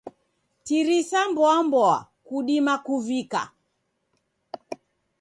Tirisa mboamboa, kudima kuvika.